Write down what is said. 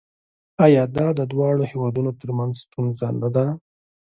آیا دا د دواړو هیوادونو ترمنځ ستونزه نه ده؟